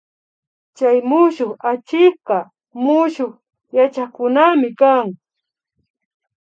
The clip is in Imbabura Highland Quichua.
Chay mushuk achikka mushuk yachaykunami kan